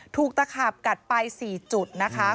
ตะขาบกัดไป๔จุดนะคะ